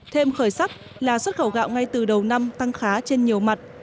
thêm khởi sắc là xuất khẩu gạo ngay từ đầu năm tăng khá trên nhiều mặt